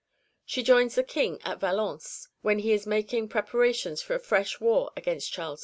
She joins the King at Valence when he is making preparations for a fresh war against Charles V.